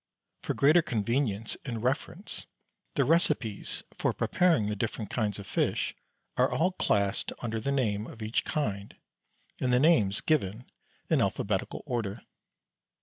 For greater convenience in reference the recipes for preparing the different kinds of fish are all classed under the name of each kind, and the names given in alphabetical order.